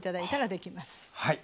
はい。